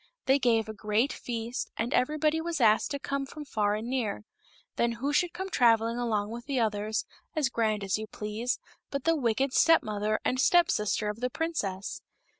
They gave a great feast, and everybody was, asked to come from far and near. Then who should come travelling along with the others, as grand as you please, but the wicked step mother and step sister of the princess.